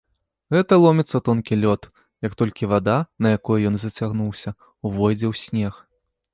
Гэта ломіцца тонкі лёд, як толькі вада, на якой ён зацягнуўся, увойдзе ў снег.